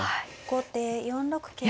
後手４六桂馬。